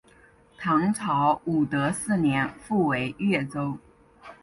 唐朝武德四年复为越州。